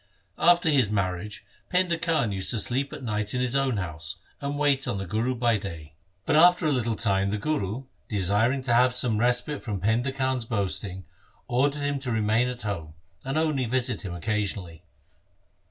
After his marriage Painda Khan used to sleep at night in his own house and wait on the Guru by day, but LIFE OF GURU HAR GOBIND after a little time the Guru, desiring to have some respite from Painda Khan's boasting, ordered him to remain at home, and only visit him occasionally.